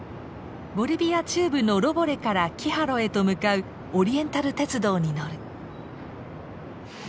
ボリビア中部のロボレからキハロへと向かうオリエンタル鉄道に乗る。